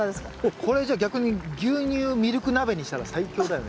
これじゃあ逆に牛乳ミルク鍋にしたら最強だよね。